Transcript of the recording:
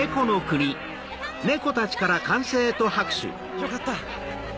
よかった！